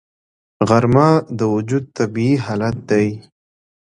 غرمه د وجود طبیعي حالت دی